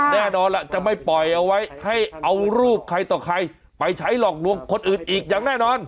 แน่นอนล่ะจะไม่ปล่อยเอาไว้ให้เอารูปใครต่อใครไปใช้หลอกลวงคนอื่นอีกอย่างแน่นอน